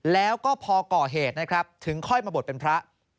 แล้วก็พอก่อเหตุนะครับถึงค่อยมาบวชเป็นพระ